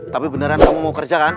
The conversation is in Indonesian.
tapi beneran kamu mau kerja kan